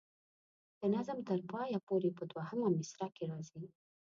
د نظم تر پایه پورې په دوهمه مصره کې راځي.